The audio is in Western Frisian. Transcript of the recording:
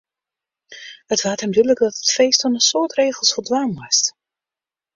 It waard him dúdlik dat it feest oan in soad regels foldwaan moast.